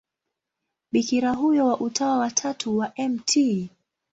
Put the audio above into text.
Bikira huyo wa Utawa wa Tatu wa Mt.